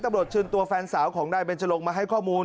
ตำรวจชื่นตัวแฟนสาวของนายเบนจรงมาให้ข้อมูล